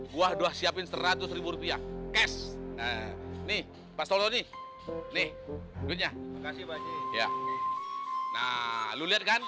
gua doa siapin seratus rupiah kes nih pas tolong nih nih duitnya kasih banyak ya nah lu lihat kan